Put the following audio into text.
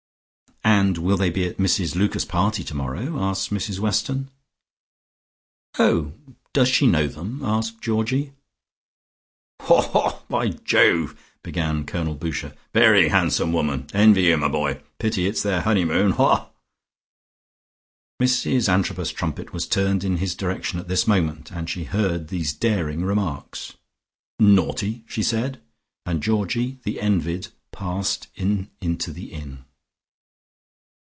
"And will they be at Mrs Lucas's party tomorrow?" asked Mrs Weston. "Oh, does she know them?" asked Georgie. "Haw, haw, by Jove!" began Colonel Boucher. "Very handsome woman. Envy you, my boy. Pity it's their honeymoon. Haw!" Mrs Antrobus's trumpet was turned in his direction at this moment, and she heard these daring remarks. "Naughty!" she said, and Georgie, the envied, passed in into the inn.